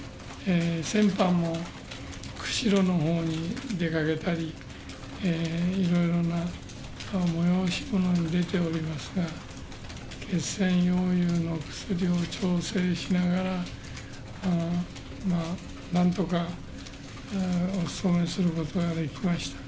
先般も釧路のほうに出かけたり、いろいろな催し物に出ておりましたが、血栓溶融の薬を調整しながら、なんとかおつとめすることができました。